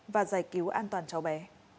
và giải cứu an toàn cháu bé